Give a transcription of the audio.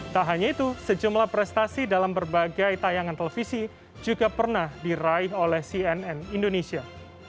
tak hanya itu sejumlah prestasi dalam berbagai tayangan televisi juga pernah diraih oleh cnn indonesia